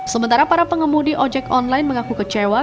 sementara para pengemudi ojek online mengaku kecewa